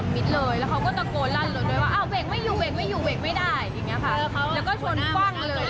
นี่เป็นคนละทีค่ะ